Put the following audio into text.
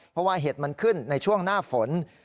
เพราะว่าเห็ดมันขึ้นในช่วงหน้าฝน